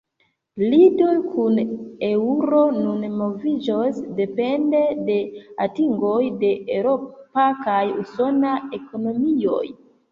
Lido kun eŭro nun moviĝos depende de atingoj de eŭropa kaj usona ekonomioj.